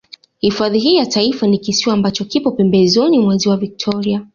Hifadhi hii ya Taifa ni kisiwa ambacho kipo pembezoni mwa Ziwa Victoria